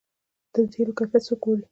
د تیلو کیفیت څوک ګوري؟